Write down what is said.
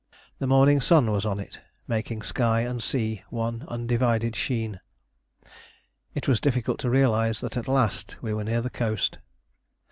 The morning sun was on it, making sky and sea one undivided sheen. It was difficult to realise that at last we were near the coast.